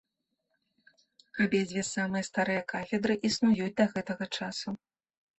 Абедзве самыя старыя кафедры існуюць да гэтага часу.